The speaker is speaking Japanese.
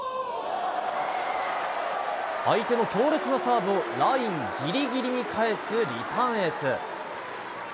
相手の強烈なサーブをラインギリギリに返すリターンエース。